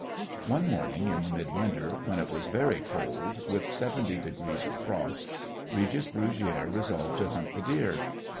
One morning in the midwinter, when it was very cold with seventy degrees of frost, Regis Brugiere resolved to hunt the deer.